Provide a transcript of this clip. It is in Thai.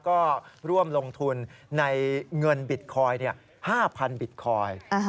ก็ร่วมลงทุนในเงินบิตคอยน์๕๐๐บิตคอยน์